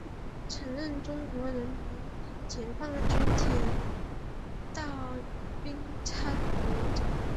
曾任中国人民解放军铁道兵参谋长。